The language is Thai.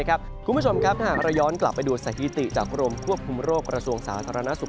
คุณผู้ชมครับถ้าหากเราย้อนกลับไปดูสถิติจากกรมควบคุมโรคกระทรวงสาธารณสุข